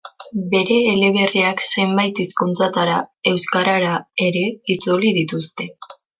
Bere eleberriak zenbait hizkuntzatara, euskarara ere, itzuli dituzte.